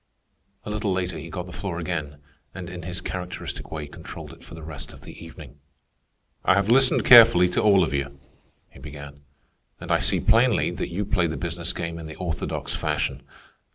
A little later he got the floor again, and in his characteristic way controlled it for the rest of the evening. "I have listened carefully to all of you," he began, "and I see plainly that you play the business game in the orthodox fashion.